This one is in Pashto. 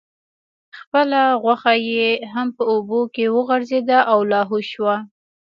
خپله غوښه یې هم په اوبو کې وغورځیده او لاهو شوه.